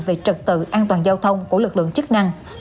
về trật tự an toàn giao thông của lực lượng chức năng